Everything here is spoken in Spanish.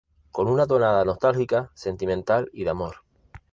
Con una tonada nostálgica, sentimental y de amor.